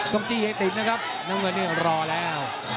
เต้นจี้ให้ติ๊ชนะครับน้ำหนึ่งอยากรอแล้ว